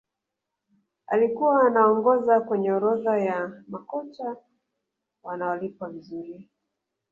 alikuwa anaongoza kwenye orodha ya makocha wanaolipwa vizuri